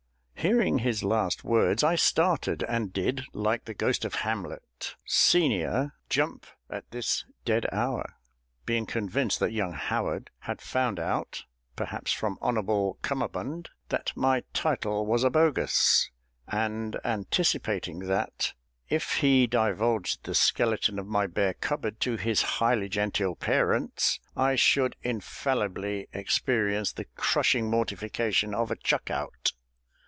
Hearing his last words, I started, and did, like the ghost of Hamlet, Senior, "jump at this dead hour," being convinced that young HOWARD had found out (perhaps from Hon'ble CUMMERBUND) that my title was a bogus, and anticipating that, if he divulged the skeleton of my bare cupboard to his highly genteel parents, I should infallibly experience the crushing mortification of a chuck out.